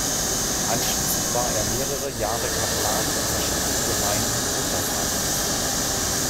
Anschließend war er mehrere Jahre Kaplan in verschiedenen Gemeinden Unterfrankens.